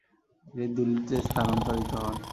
তিনি দিল্লিতে স্থানান্তরিত হন।